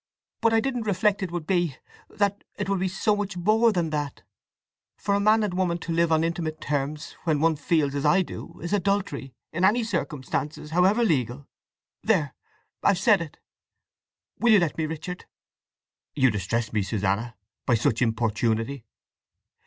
But I didn't reflect it would be—that it would be so much more than that… For a man and woman to live on intimate terms when one feels as I do is adultery, in any circumstances, however legal. There—I've said it! … Will you let me, Richard?" "You distress me, Susanna, by such importunity!"